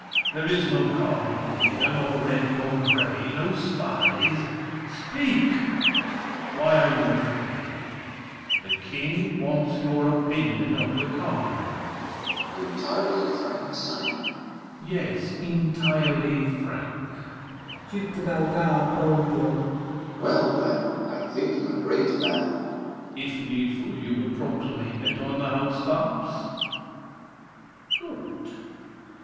There is no cardinal here, nor red, nor gray! No spies! Speak! Why are you afraid? The King Wants your opinion of the Cardinal. DUKE DE BELLEGARDE. Entirely frank, sire? THE KING. Yes, entirely frank. DUKE DE BELLEGARDE (boldly). Well, then, I think him a great man! THE KING. If needful You would proclaim it on the house tops? Good!